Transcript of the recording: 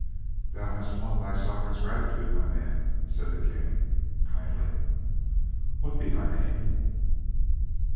"Thou hast won thy sovereign's gratitude, my man," said the King, kindly. "What be thy name?"